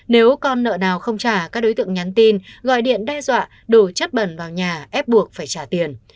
nếu con nợ nào không trả các đối tượng nhắn tin gọi điện đe dọa đổ chất bẩn vào nhà ép buộc phải trả tiền